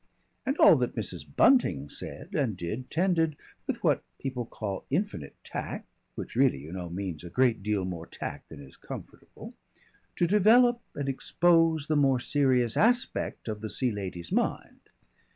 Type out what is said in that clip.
And all that Mrs. Bunting said and did tended with what people call infinite tact which really, you know, means a great deal more tact than is comfortable to develop and expose the more serious aspect of the Sea Lady's mind.